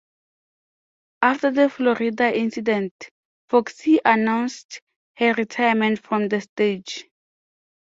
After the Florida incident, Foxe announced her retirement from the stage.